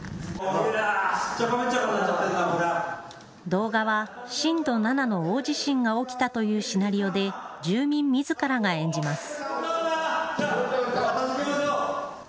動画は震度７の大地震が起きたというシナリオで住民みずからが演じます。